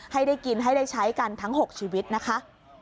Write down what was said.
ให้ได้กินให้ได้ใช้กันทั้ง๖ชีวิตนะคะ